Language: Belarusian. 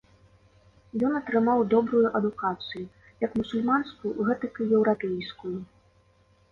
Ён атрымаў добрую адукацыю, як мусульманскую, гэтак і еўрапейскую.